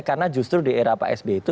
karena justru di era pak s b itu